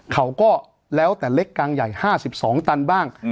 เขาก็แล้วแต่เล็กกางใหญ่ห้าสิบสองตันบ้างอืม